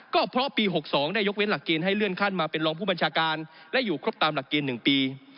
ก็เพราะปี๖๒ได้ยกเว้นหลักเกณฑ์ให้เลื่อนขั้นมาเป็นรองผู้บัญชาการและอยู่ครบตามหลักเกณฑ์๑ปี